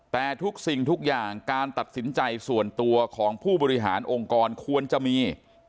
แต่ทุกสิ่งทุกอย่างการตัดสินใจส่วนตัวของผู้บริหารองค์กรควรจะมี